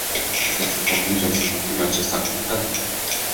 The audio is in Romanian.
Putem să-i convingem să continue această activitate?